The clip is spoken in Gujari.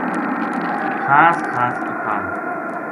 خاص خاص اکھان